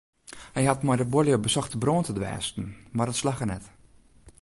Hy hat mei de buorlju besocht de brân te dwêsten mar dat slagge net.